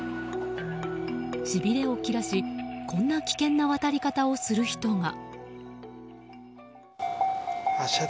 しびれを切らしこんな危険な渡り方をする人が。